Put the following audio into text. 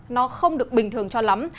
nó không được bình thường cho lắm